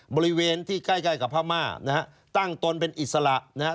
บริเวณที่ใกล้กับพม่านะครับตั้งตนเป็นอิสระนะครับ